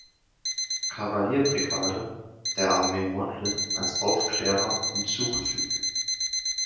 Kavallerie-Brigade der Armee Modlin als Aufklärer hinzugefügt.